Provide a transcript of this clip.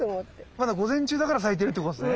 まだ午前中だから咲いてるってことですね。